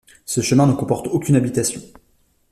Ce chemin ne comporte aucune habitation.